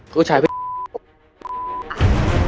ผู้ชายผู้หญิงรักอ่ะ